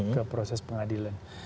ke proses pengadilan